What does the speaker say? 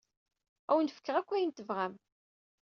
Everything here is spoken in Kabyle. Ad awen-fkeɣ akk ayen tebɣam.